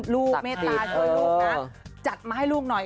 เมตตาช่วยลูกนะจัดมาให้ลูกหน่อย